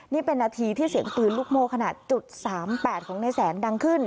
นี่เป็นนาทีที่เสียงปืนลูกโม่ขนาด๓๘ของนายแสนดังขึ้น